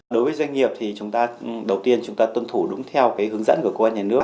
đối với doanh nghiệp thì chúng ta đầu tiên chúng ta tuân thủ đúng theo hướng dẫn của cơ quan nhà nước